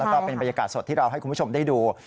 แล้วก็เป็นบรรยากาศสดที่เราให้คุณผู้ชมได้ดู